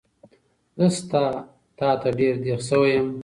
زه ستا تاته ډېر دیغ شوی یم